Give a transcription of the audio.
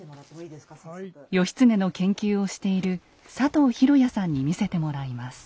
義経の研究をしている佐藤弘弥さんに見せてもらいます。